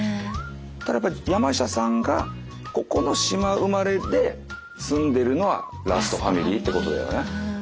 ただやっぱり山下さんがここの島生まれで住んでるのはラストファミリーってことだよね。